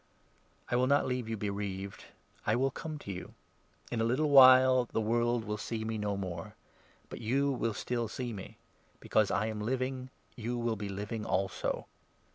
I will not 18 leave you bereaved ; I will come to you. In a little while the 19 world will see me no more, but you will still see me ; because I am living, you will be living also.